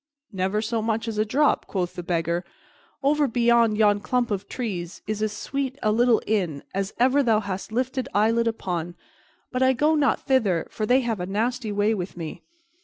"Never so much as a drop," quoth the Beggar. "Over beyond yon clump of trees is as sweet a little inn as ever thou hast lifted eyelid upon; but I go not thither, for they have a nasty way with me.